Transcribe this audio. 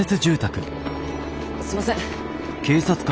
すいません。